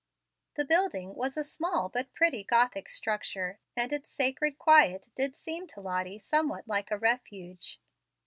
The building was a small but pretty Gothic structure, and its sacred quiet did seem to Lottie somewhat like a refuge.